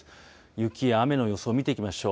雪や雨の予想、見ていきましょう。